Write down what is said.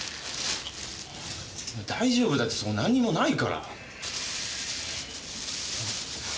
大丈夫だってそこなんにもないから。